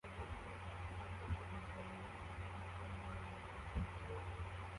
Abagore babiri barimo gufata amafoto yabo hamwe numugabo wambaye imyenda y'imbere